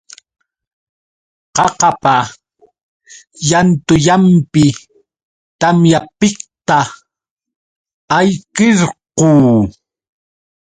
Qaqapa llantullanpi tamyapiqta ayqirquu.